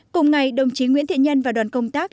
cùng ngày đồng chí nguyễn thiện nhân và đoàn công tác